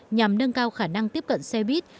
nhằm nâng cao khả năng tiếp cận xe bít